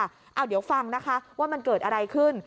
เดี๋ยวฟังนะคะว่ามันเกิดอะไรขึ้น